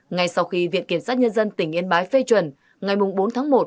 ngay sau khi viện kiểm sát nhân dân tỉnh yên bái phê chuẩn ngày bốn tháng một